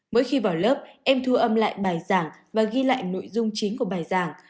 mỗi khi vào lớp em thu âm lại bài giảng và ghi lại nội dung chính của bài giảng